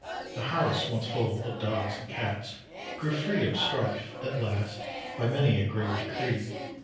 A house once, full of Dogs and Cats, grew free Of strife, at last, by many a grave decree.